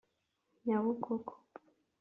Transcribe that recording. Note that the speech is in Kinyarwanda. Nyabugogo